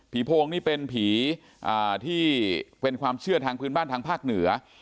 โพงนี่เป็นผีที่เป็นความเชื่อทางพื้นบ้านทางภาคเหนือ